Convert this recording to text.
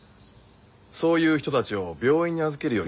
そういう人たちを病院に預けるよりも。